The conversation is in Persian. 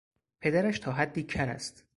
پدرش تا حدی کر است.